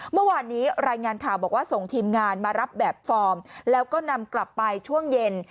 เมื่อวานนี้รายงานข่าวบอกว่าส่งทีมงานมารับแบบฟอร์มแล้วก็นำกลับไปช่วงเย็น